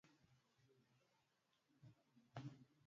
Nyurojenesi ya matibabu hujumuisha upunguzaji matumizi kwa